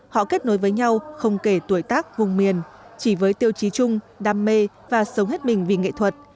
họ kết nối với nhau không kể tuổi tác vùng miền chỉ với tiêu chí chung đam mê và sống hết mình vì nghệ thuật